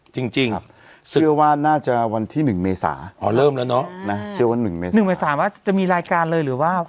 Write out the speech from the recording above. จริงชื่อว่าน่าวันที่๑เมษาเว่